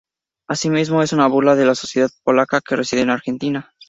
Asimismo, es una burla de la sociedad polaca que reside en Argentina.